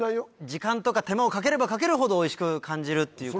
時間とか手間をかければかけるほどおいしく感じるっていう。